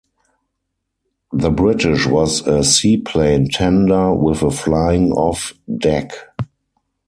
The British was a seaplane tender with a flying-off deck.